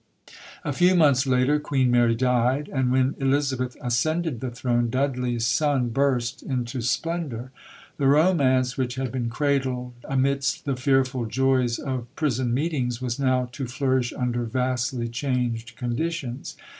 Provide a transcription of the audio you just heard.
A few months later Queen Mary died; and when Elizabeth ascended the throne, Dudley's sun burst into splendour. The romance which had been cradled amidst the fearful joys of prison meetings, was now to flourish under vastly changed conditions.